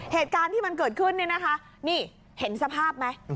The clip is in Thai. เหตุการณ์ที่มันเกิดขึ้นเนี่ยนะคะนี่เห็นสภาพไหม